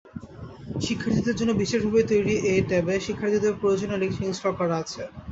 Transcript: শিক্ষার্থীদের জন্য বিশেষভাবে তৈরি এ ট্যাবে শিক্ষার্থীদের প্রয়োজনীয় লেকচার ইনস্টল করা আছে।